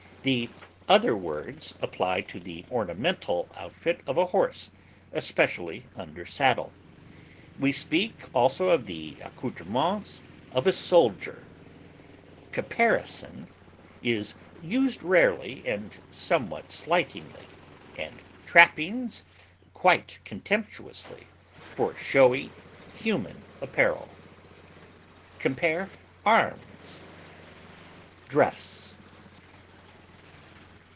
The other words apply to the ornamental outfit of a horse, especially under saddle. We speak also of the accouterments of a soldier. Caparison is used rarely and somewhat slightingly, and trappings quite contemptuously, for showy human apparel. Compare ARMS; DRESS.